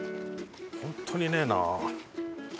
ホントにねえな。